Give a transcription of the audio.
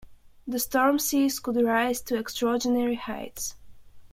The storm seas could rise to extraordinary heights.